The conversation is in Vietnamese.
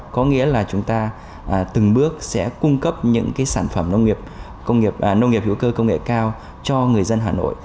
có nghĩa là chúng ta từng bước sẽ cung cấp những cái sản phẩm nông nghiệp hữu cơ công nghệ cao cho người dân hà nội